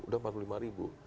udah empat puluh lima ribu